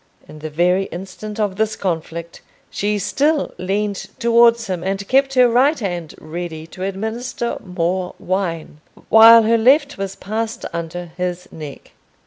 In the very instant of this conflict she still leaned towards him and kept her right hand ready to administer more wine, while her left was passed under his neck.